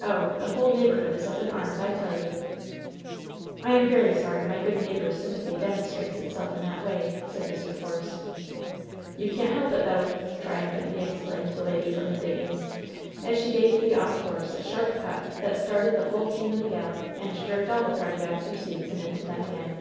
Oh! the whole neighborhood is up in arms, I tell you !" "I am very sorry my good neighbors' sympathy demonstrates itself in that way," said Mr. Force. "You can't help it, though t" triumphantly exclaimed the lady from the diggings, as she gave the off horse a sharp cut that started the whole team in a gallop, and jerked all the party out of their seats and into them again.